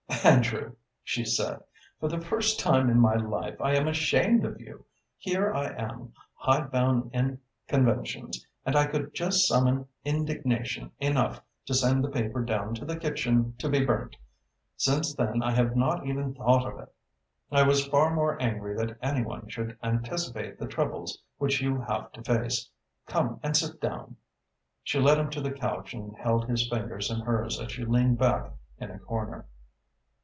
"Andrew," she said, "for the first time in my life I am ashamed of you. Here am I, hidebound in conventions, and I could just summon indignation enough to send the paper down to the kitchen to be burnt. Since then I have not even thought of it. I was far more angry that any one should anticipate the troubles which you have to face. Come and sit down." She led him to the couch and held his fingers in hers as she leaned back in a corner.